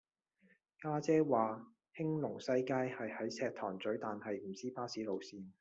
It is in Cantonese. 家姐話興隆西街係喺石塘咀但係唔知巴士路線